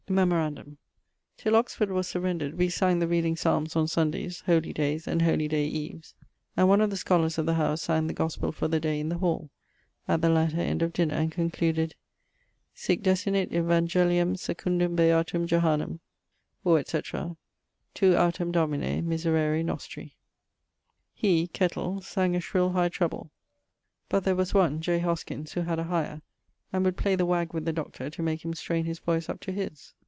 Memorandum: till Oxford was surrendred we sang the reading psalmes on Sundayes, holy dayes, and holy day eves; and one of the scholars of the house sang the ghospell for the day in the hall, at the latter end of dinner, and concluded, Sic desinit Evangelium secundum beatum Johannem (or etc.): tu autem, Domine, miserere nostri. He sang a shrill high treble; but there was one (J. Hoskyns[K]) who had a higher, and would play the wag with the Dr. to make him straine his voice up to his.